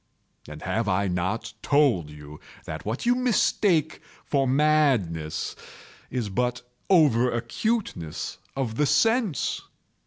And have I not told you that what you mistake for madness is but over acuteness of the sense?